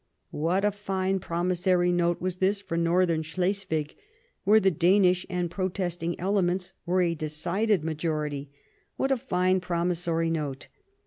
'" What a fine promissory note was this for Northern Slesvig, where the Danish and protesting elements were in a decided majority ; what a fine promissory note